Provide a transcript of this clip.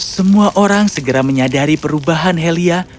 semua orang segera menyadari perubahan helia